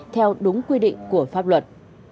theo đúng quy định của pháp luật